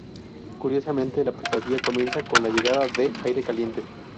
Curiosamente, la pesadilla comienza con la llegada de aire caliente.